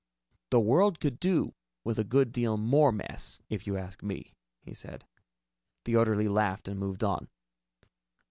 "The world could do with a good deal more mess, if you ask me," he said. The orderly laughed and moved on.